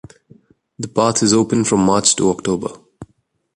The path is open from March to October.